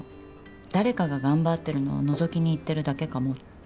誰かが頑張ってるのをのぞきに行ってるだけかもって。